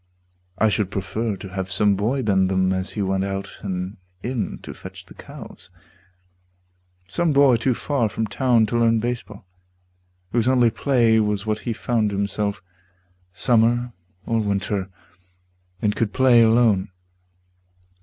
I should prefer to have some boy bend them As he went out and in to fetch the cows Some boy too far from town to learn baseball, Whose only play was what he found himself, Summer or winter, and could play alone.